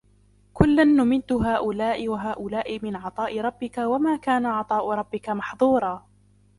كُلًّا نُمِدُّ هَؤُلَاءِ وَهَؤُلَاءِ مِنْ عَطَاءِ رَبِّكَ وَمَا كَانَ عَطَاءُ رَبِّكَ مَحْظُورًا